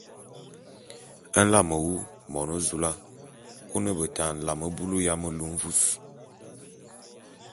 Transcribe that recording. Nlame wu, Monezoula, ô ne beta nlame bulu ya melu mvus.